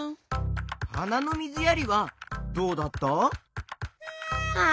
はなのみずやりはどうだった？